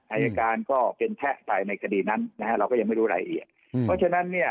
อายการก็เป็นแพะไปในคดีนั้นนะฮะเราก็ยังไม่รู้รายละเอียดเพราะฉะนั้นเนี่ย